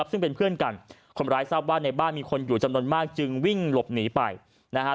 ซึ่งเป็นเพื่อนกันคนร้ายทราบว่าในบ้านมีคนอยู่จำนวนมากจึงวิ่งหลบหนีไปนะฮะ